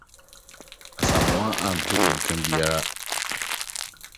Asamoah ante nka biara.